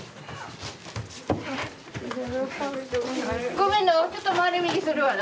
ごめんなちょっと回れ右するわな。